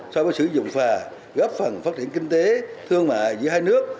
so với sử dụng phà góp phần phát triển kinh tế thương mại giữa hai nước